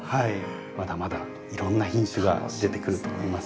まだまだいろんな品種が出てくると思います。